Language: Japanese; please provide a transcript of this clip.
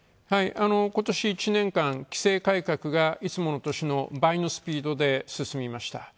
ことし１年間、規制改革がいつもの年の倍のスピードで進みました。